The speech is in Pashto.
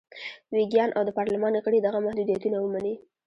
ویګیان او د پارلمان غړي دغه محدودیتونه ومني.